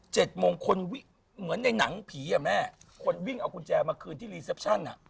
โมงคนวิ่งเหมือนในหนังผีอ่ะแม่คนวิ่งเอากุญแจมาคืนที่รีเซปชั่นอ่ะ